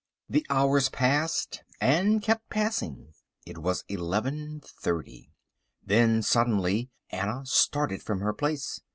The hours passed, and kept passing. It was 11.30. Then suddenly Anna started from her place.